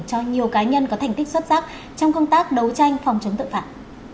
cho nhiều cá nhân có thành tích xuất sắc trong công tác đấu tranh phòng chống tội phạm